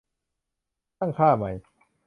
ตั้งค่าใหม่